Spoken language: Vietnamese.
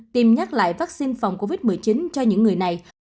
tiêm nhắc lại vắc xin phòng covid một mươi chín cho những người này